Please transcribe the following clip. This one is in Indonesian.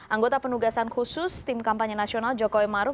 anggota penugasan khusus tim kampanye nasional jokowi maruf